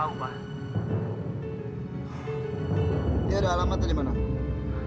ibu senang dan bangga